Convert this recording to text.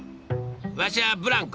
ワシはブランコ。